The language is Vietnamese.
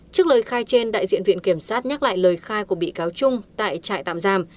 trước lời khai trên đại diện viện kiểm sát nhắc lại lời khai của bị cáo trung tại trại tạm giam